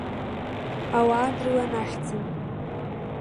Ауаа дрылан ахьӡын.